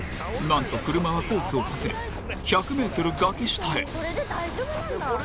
なんと、車がコースを外れ１００ｍ崖下へ。